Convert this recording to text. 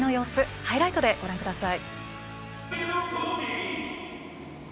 ハイライトでご覧ください。